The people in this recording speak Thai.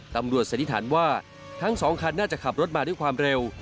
สันนิษฐานว่าทั้งสองคันน่าจะขับรถมาด้วยความเร็ว